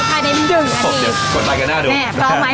ภายใน๑นาที